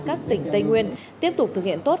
các tỉnh tây nguyên tiếp tục thực hiện tốt